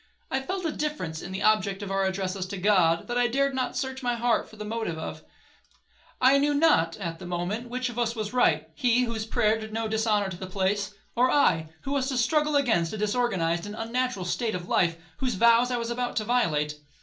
I felt a difference in the object of our addresses to God, that I dared not search my heart for the motive of. I knew not, at the moment, which of us was right,—he, whose prayer did no dishonour to the place,—or I, who was to struggle against a disorganized and unnatural state of life, whose vows I was about to violate.